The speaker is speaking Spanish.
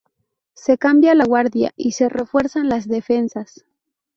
Se cambia la guardia y se refuerzan las defensas.